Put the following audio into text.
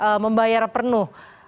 harus membayar penuh